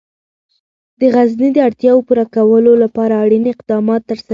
د غزني د اړتیاوو پوره کولو لپاره اړین اقدامات ترسره کېږي.